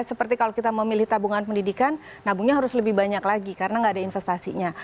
seperti kalau kita memilih tabungan pendidikan nabungnya harus lebih banyak lagi karena nggak ada investasinya